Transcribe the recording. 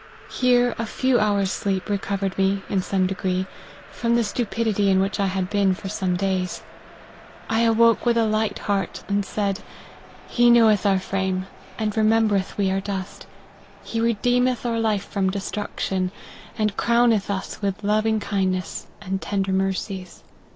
Here a few hours sleep recovered me, in some degree, from the stupidity in which I had been for some days. I awoke with a light heart, and said, ' He knoweth our frame, and remembereth we are dust. He re deemeth our life from destruction, and crowneth us with loving kindness and tender mercies.